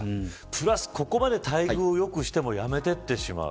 プラス、ここまで待遇を良くしても辞めていってしまう。